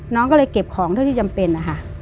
น้องก็เลยเก็บของเท่าที่จำเป็นนะคะ